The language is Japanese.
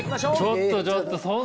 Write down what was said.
ちょっとちょっと。